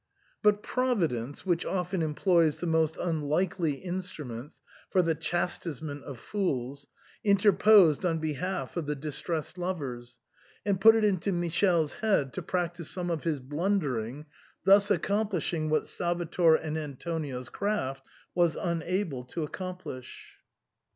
But Providence, which often employs the most un likely instruments for the chastisement of fools, inter posed on behalf of the distressed lovers, and put it into Michele's head to practise some of his blundering, thus accomplishing what Salvator and Antonio's craft was unable to accomplish.